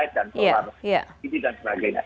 ini dan sebagainya